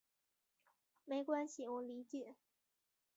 没关系，我理解。